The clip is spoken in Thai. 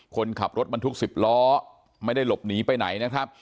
คนขับรถมันทุก๑๐ล้อไม่ได้หลบหนีไปไหน